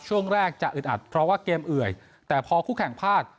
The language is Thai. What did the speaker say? ช่วงแรกจะอึดอัดเพราะว่าเกมเอื่อยแต่พอคู่แข่งพลาด